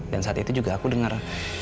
dan saat itu juga aku dengar